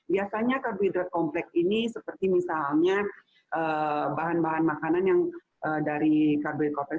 biasanya karbohidrat komplek ini seperti misalnya bahan bahan makanan yang dari karbohidrat